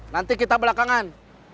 nanti kita belakangan